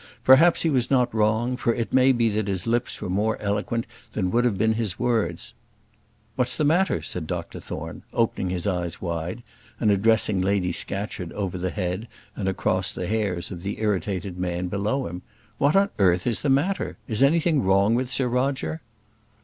Perhaps he was not wrong; for it may be that his lips were more eloquent than would have been his words. "What's the matter?" said Dr Thorne, opening his eyes wide, and addressing Lady Scatcherd over the head and across the hairs of the irritated man below him. "What on earth is the matter? Is anything wrong with Sir Roger?"